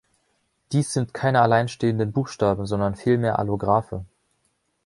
Dies sind keine alleinstehenden Buchstaben, sondern vielmehr Allographe.